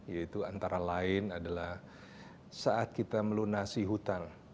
yaitu antara lain adalah saat kita melunasi hutan